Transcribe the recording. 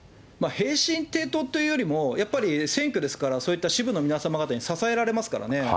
平身低頭というよりも、やっぱり選挙ですから、そういった支部の皆様方に支えられますからね。